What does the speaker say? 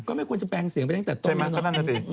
ก็ไม่ควรจะแปลงเสียงไปกันตัดต่อ